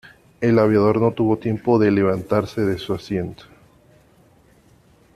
El aviador no tuvo tiempo de levantarse de su asiento.